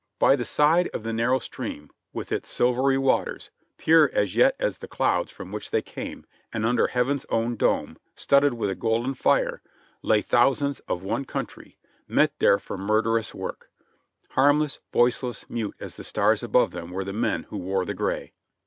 By the side of the narrow stream, with its silvery waters, pure as yet as the clouds from which they came, and under heaven's own dome, "studded with a golden fire," lay thousands of one countr} , met there for murderous work; harm less, voiceless, mute as the stars above them were the men who wore the gray.